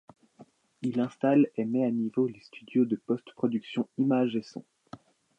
Il installe et met à niveau les studios de post-production image et son.